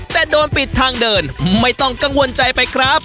แต่โดนปิดทางเดินไม่ต้องกังวลใจไปครับ